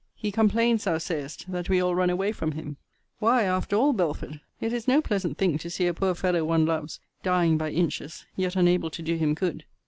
He complains, thou sayest, that we all run away from him. Why, after all, Belford, it is no pleasant thing to see a poor fellow one loves, dying by inches, yet unable to do him good.